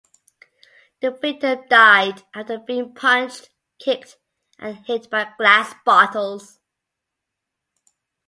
The victim died after being punched, kicked, and hit by glass bottles.